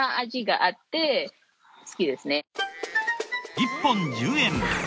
１本１０円。